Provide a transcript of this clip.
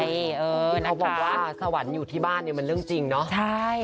เออนะคะคือเขาบอกว่าสวรรค์อยู่ที่บ้านนี่มันเรื่องจริงเนอะใช่ค่ะ